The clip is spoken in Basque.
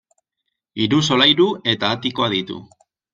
Hiru solairu eta atikoa ditu.